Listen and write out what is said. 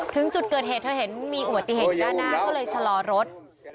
ถึงจุดเกิดเหตุเธอเห็นมีอุบัติเหตุด้านหน้าก็เลยชะลอรถ